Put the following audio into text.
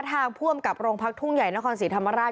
ทางผู้อำกับโรงพักทุ่งใหญ่นครศรีธรรมราช